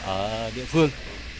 ở địa phương